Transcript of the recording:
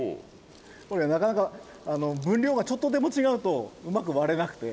これなかなか分量がちょっとでも違うとうまく割れなくて。